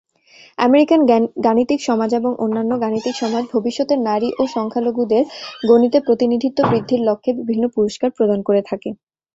American গাণিতিক সমাজ এবং অন্যান্য গাণিতিক সমাজ ভবিষ্যতে নারী ও সংখ্যালঘুদের গণিতে প্রতিনিধিত্ব বৃদ্ধির লক্ষ্যে বিভিন্ন পুরস্কার প্রদান করে থাকে।